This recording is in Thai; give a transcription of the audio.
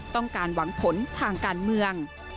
ต้องการหวังผลทางการเมือง